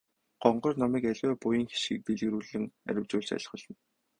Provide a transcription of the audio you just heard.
Гонгор номыг аливаа буян хишгийг дэлгэрүүлэн арвижуулахад айлтгуулна.